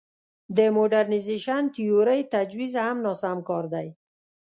د موډرنیزېشن تیورۍ تجویز هم ناسم کار دی.